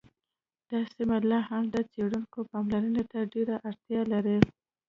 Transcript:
دا سیمه لا هم د څیړونکو پاملرنې ته ډېره اړتیا لري